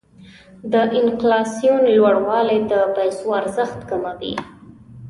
د انفلاسیون لوړوالی د پیسو ارزښت کموي.